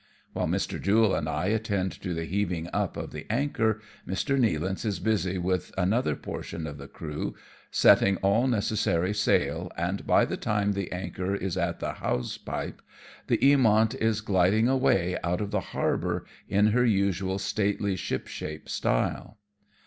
"While Mr. Jule and I attend to the heaving up of the anchor, Mr. Nealance is busy with another portion of the crew, setting all necessary sail, and, by the time the anchor is at the hawse pipe, the Eamont is gliding away out of the harbour in her usual stately ship shape WE LEAVE NIEWCHWANG. 49 style.